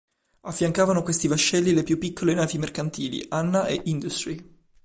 Affiancavano questi vascelli le più piccole navi mercantili "Anna" e "Industry".